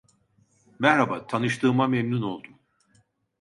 Merhaba, tanıştığıma memnun oldum.